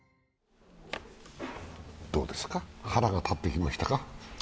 どうですか、腹が立ってきましたか？